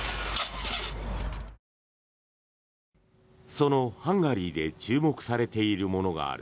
そのハンガリーで注目されているものがある。